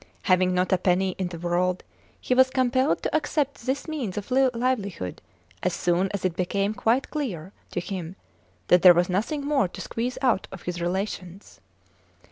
Having not a penny in the world he was compelled to accept this means of livelihood as soon as it became quite clear to him that there was nothing more to squeeze out of his relations.